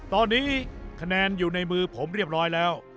ตอนนี้คะแนนอยู่ในมือผมเรียบร้อยแล้ว